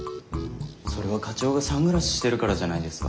それは課長がサングラスしてるからじゃないですか？